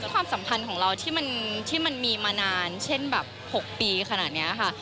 ความสัมพันธ์ของเราที่มันมีมานานเช่นแบบ๖ปีขนาดนี้ค่ะ